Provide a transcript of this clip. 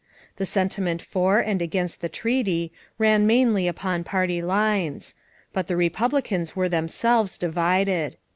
The sentiment for and against the treaty ran mainly along party lines; but the Republicans were themselves divided.